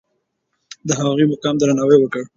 د هغوی مقام ته درناوی وکړئ.